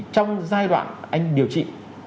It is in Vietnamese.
trong giai đoạn anh điều trị